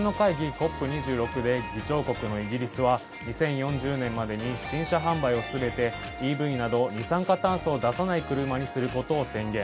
ＣＯＰ２６で議長国のイギリスは２０４０年までに新車販売を全てＥＶなど二酸化炭素を出さない車にすることを宣言。